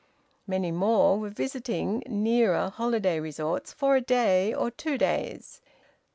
Many more were visiting nearer holiday resorts for a day or two days.